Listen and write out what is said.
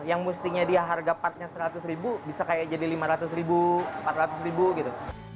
yang mestinya dia harga partnya rp seratus bisa kayak jadi rp lima ratus rp empat ratus gitu